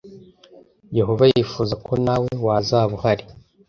Yehova yifuza ko nawe wazaba uhari